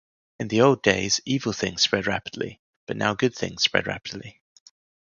In the old days, evil things spread rapidly, but now good things spread rapidly.